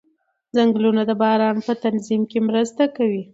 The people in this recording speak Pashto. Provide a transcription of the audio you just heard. ځنګلونه د باران په تنظیم کې مرسته کوي